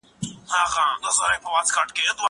زه به اوږده موده کتابونه ليکلي وم!